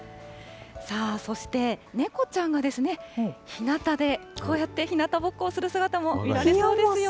さあ、そして猫ちゃんがひなたで、こうやってひなたぼっこをする姿も見られそうですよ。